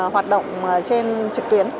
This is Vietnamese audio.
hoạt động trên trực tuyến